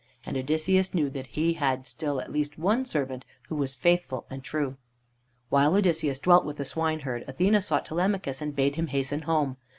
And Odysseus knew that he had still at least one servant who was faithful and true. While Odysseus dwelt with the swineherd, Athene sought Telemachus and bade him hasten home.